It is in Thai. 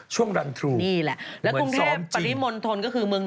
ช่วงรันทรูเหมือนซ้อมจีนนี่แหละแล้วกรุงเทพปริมณฑลก็คือเมืองน้น